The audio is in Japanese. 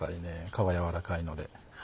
皮柔らかいので。